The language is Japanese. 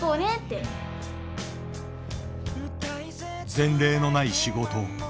前例のない仕事。